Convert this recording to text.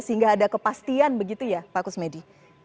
sehingga ada kepastian begitu ya pak kusmedi